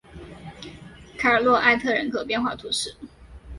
卡尔诺埃特人口变化图示